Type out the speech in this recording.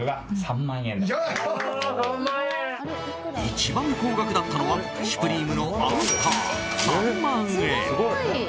一番高額だったのはシュプリームのアウター、３万円。